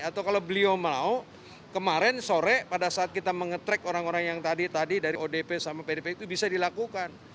atau kalau beliau mau kemarin sore pada saat kita menge track orang orang yang tadi tadi dari odp sama pdp itu bisa dilakukan